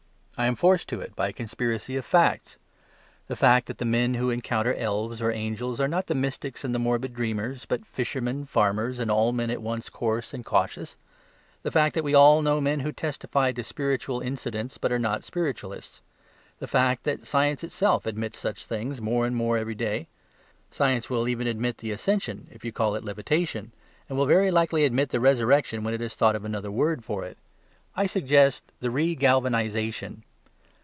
I am forced to it by a conspiracy of facts: the fact that the men who encounter elves or angels are not the mystics and the morbid dreamers, but fishermen, farmers, and all men at once coarse and cautious; the fact that we all know men who testify to spiritualistic incidents but are not spiritualists, the fact that science itself admits such things more and more every day. Science will even admit the Ascension if you call it Levitation, and will very likely admit the Resurrection when it has thought of another word for it. I suggest the Regalvanisation.